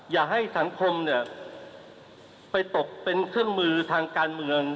อย่าให้สังคมเนี่ยไปตกเป็นเครื่องมือทางการเมือง